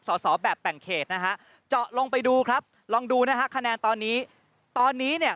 สอบแบบแบ่งเขตนะฮะเจาะลงไปดูครับลองดูนะฮะคะแนนตอนนี้ตอนนี้เนี่ย